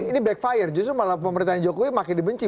ini backfire justru malah pemerintahan jokowi makin dibenci